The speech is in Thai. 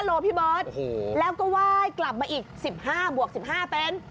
๑๕โลพี่บอสแล้วก็ว่ายกลับมาอีก๑๕บวก๑๕เป็น